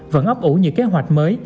vẫn ấp ủ những kế hoạch mới